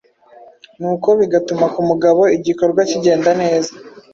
nuko bigatuma ku mugabo igikorwa kigenda neza